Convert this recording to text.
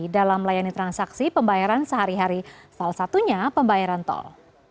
dalam melayani transaksi pembayaran sehari hari salah satunya pembayaran tol